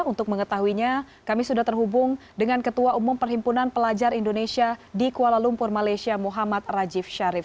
untuk mengetahuinya kami sudah terhubung dengan ketua umum perhimpunan pelajar indonesia di kuala lumpur malaysia muhammad rajif sharif